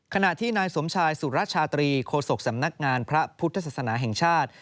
ขณะที่นายสมชายสุรชาตรีโคศกสำนักงานพระพุทธศาสนาแห่งชาติ